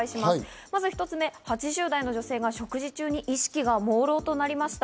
まず１つめ、８０代の女性が食事中に意識が朦朧となりました。